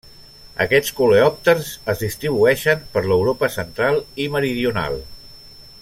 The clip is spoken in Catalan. Aquests coleòpters es distribueixen per l'Europa central i meridional.